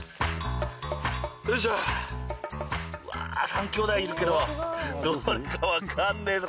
うわ３きょうだいいるけどどれか分かんねえぞ